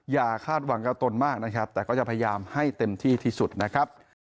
อย่าคาดหวังกับตนมากนะครับแต่ก็จะพยายามให้เต็มที่ที่สุดนะครับ